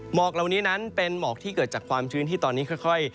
กเหล่านี้นั้นเป็นหมอกที่เกิดจากความชื้นที่ตอนนี้ค่อย